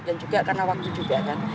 dan juga karena waktu juga kan